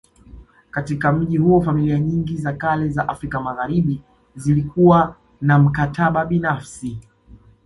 Katika mji huo familia nyingi za kale za Afrika Magharibi zilikuwa na maktaba binafsi